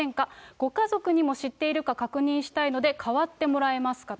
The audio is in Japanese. ご家族にも知っているか確認したいので、代わってもらえますかと。